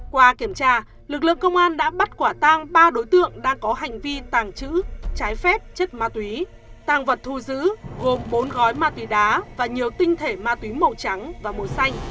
qua kiểm tra lực lượng công an đã bắt quả tang ba đối tượng đang có hành vi tàng trữ trái phép chất ma túy tàng vật thu giữ gồm bốn gói ma túy đá và nhiều tinh thể ma túy màu trắng và màu xanh